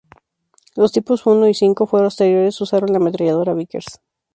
Los tipos I y V posteriores usaron la ametralladora Vickers.